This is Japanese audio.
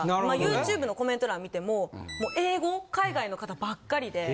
ＹｏｕＴｕｂｅのコメント欄見てももう英語海外の方ばっかりで。